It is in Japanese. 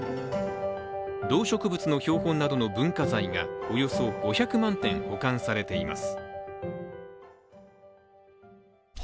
動植物の標本などの文化財がおよそ５００万点、保管されています。